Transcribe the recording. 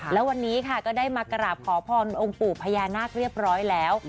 แล้ววันนี้ค่ะก็ได้มากราบขอพรองค์ปู่พญานาคเรียบร้อยแล้ว